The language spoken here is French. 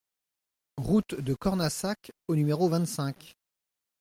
Route de Cornassac au numéro vingt-cinq